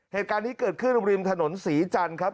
เหตุการณ์นี้เกิดขึ้นริมถนนศรีจันทร์ครับ